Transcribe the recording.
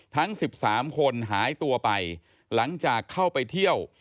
ทั้ง๑๓คนหายตัวไปหลังจากเข้าไปเที่ยว